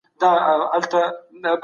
د اقتصادي ضربو زغمل ډېر ستونزمن کار دی.